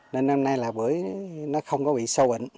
nên năm nay là bưởi không bị sầu bệnh